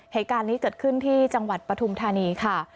เหตุการณ์นี้เกิดขึ้นที่จังหวัดปฐุมธานีค่ะ